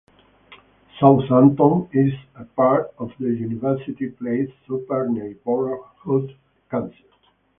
Southampton is a part of the University Place Super Neighborhood Council.